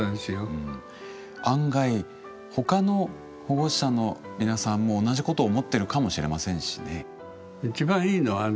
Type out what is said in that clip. うん案外他の保護者の皆さんも同じことを思ってるかもしれませんしね。